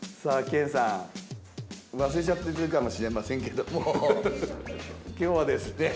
研さん忘れちゃってるかもしれませんけども今日はですね